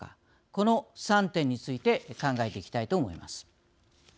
この３点について考えていきたいと思います。